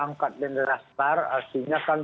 angkat dendera star artinya kan